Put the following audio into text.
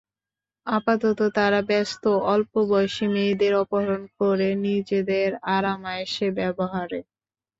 আপাতত তাঁরা ব্যস্ত অল্প বয়সী মেয়েদের অপহরণ করে নিজেদের আরাম-আয়েশে ব্যবহারে।